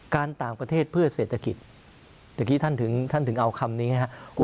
การต่างประเทศเพื่อเศรษฐกิจเมื่อกี้ท่านถึงท่านถึงเอาคำนี้นะครับ